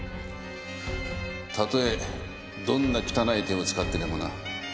たとえどんな汚い手を使ってでもな。